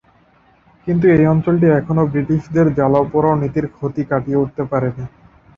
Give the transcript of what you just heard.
কিন্তু এই অঞ্চলটি এখনও ব্রিটিশদের জ্বালাও-পোড়াও নীতির ক্ষতি কাটিয়ে উঠতে পারেনি।